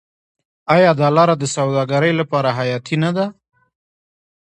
آیا دا لاره د سوداګرۍ لپاره حیاتي نه ده؟